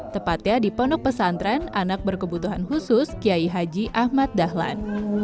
tepatnya di pondok pesantren anak berkebutuhan khusus kiai haji ahmad dahlan